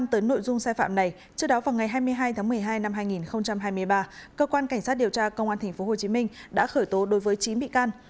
trước đó ngày hai mươi hai tháng một mươi hai năm hai nghìn hai mươi ba cơ quan cảnh sát điều tra công an tp hcm đã khởi tố đối với chín bị can